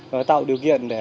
và tạo điều kiện để